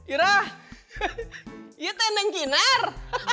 ira yuk tanding kinar